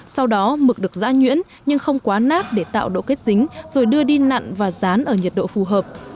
sau đó mực được giã nhuyễn nhưng không quá nát để tạo độ kết dính rồi đưa đi nặn và rán ở nhiệt độ phù hợp